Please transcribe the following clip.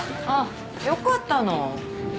あっよかったの。